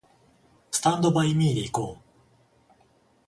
スタンドバイミーで行こう